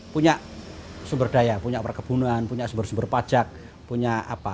punya sumber daya punya perkebunan punya sumber sumber pajak punya apa